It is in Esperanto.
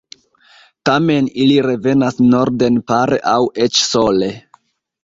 Tamen ili revenas norden pare aŭ eĉ sole.